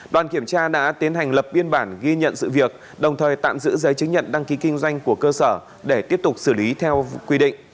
đoàn kiểm tra đã tiến hành lập biên bản ghi nhận sự việc đồng thời tạm giữ giấy chứng nhận đăng ký kinh doanh của cơ sở để tiếp tục xử lý theo quy định